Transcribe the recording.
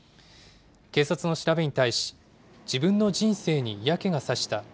警察の調べに対し、自分の人生に嫌気が差した。